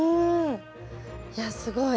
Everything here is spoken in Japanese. いやすごい。